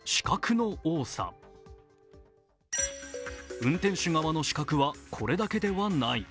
運転手側の死角はこれだけではない。